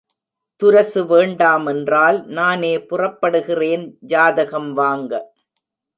துரசு வேண்டாமென்றால் நானே புறப்படுகிறேன், ஜாதகம் வாங்க.